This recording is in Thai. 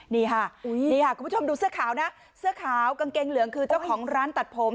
นี่ค่ะนี่ค่ะคุณผู้ชมดูเสื้อขาวนะเสื้อขาวกางเกงเหลืองคือเจ้าของร้านตัดผม